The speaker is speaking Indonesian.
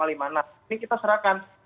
ini kita serahkan